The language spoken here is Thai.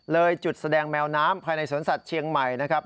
เลยจุดแสดงแมวน้ำภายในสวนสัตว์เชียงใหม่นะครับ